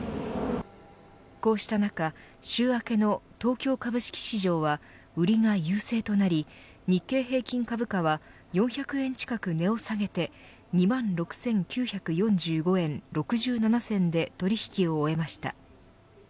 こうした中週明けの東京株式市場は売りが優勢となり日経平均株価は４００円近く値を下げて２万６９４５円６７銭で取引を終えました。